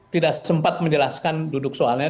tidak sempat menjelaskan duduk soalnya